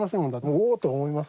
「うお」と思います